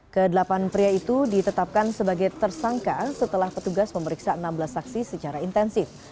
kedelapan pria itu ditetapkan sebagai tersangka setelah petugas memeriksa enam belas saksi secara intensif